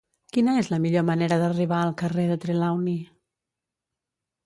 Quina és la millor manera d'arribar al carrer de Trelawny?